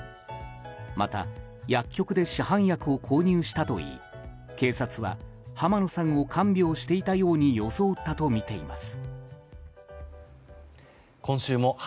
また、薬局で市販薬を購入したといい警察は、浜野さんを看病していたように装ったとみています。